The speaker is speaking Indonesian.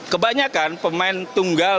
kebanyakan pemain tunggal